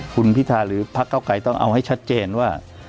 คุณพิธาหรือพักเก้าไกรต้องเอาให้ชัดเจนว่า